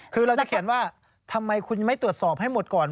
คือเราจะเขียนว่าทำไมคุณไม่ตรวจสอบให้หมดก่อน